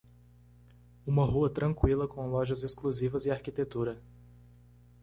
Uma rua tranquila com lojas exclusivas e arquitetura.